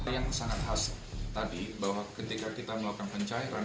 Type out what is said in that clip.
yang sangat khas tadi bahwa ketika kita melakukan pencairan